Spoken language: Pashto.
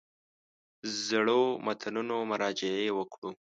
زړو متنونو مراجعې وکړو.